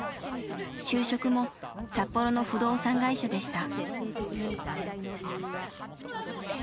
就職も札幌の不動産会社でした。